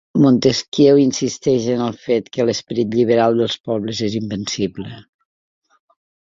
Montesquieu insisteix en el fet que l'esperit lliberal dels pobles és invencible.